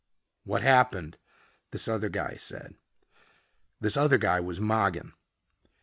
"What happened?" this other guy said. This other guy was Mogin.